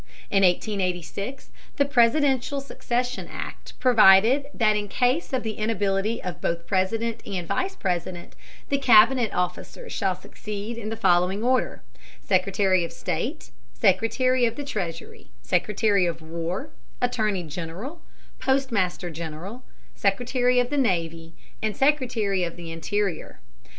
In 1886 the Presidential Succession Act provided that in case of the inability of both President and Vice President the Cabinet officers shall succeed in the following order: Secretary of State, Secretary of the Treasury, Secretary of War, Attorney General, Postmaster General, Secretary of the Navy, and Secretary of the Interior.